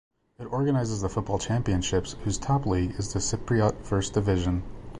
It organizes the football championships, whose top league is the Cypriot First Division.